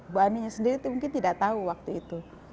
bu aninya sendiri itu mungkin tidak tahu waktu itu